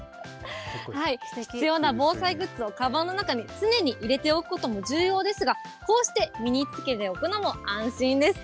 必要な防災グッズをかばんの中に常に入れておくことも重要ですが、こうして身につけておくのも安心です。